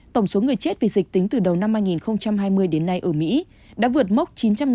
tổng số người chết vì dịch tính từ đầu năm hai nghìn hai mươi đến nay ở mỹ đã vượt mốc chín trăm năm mươi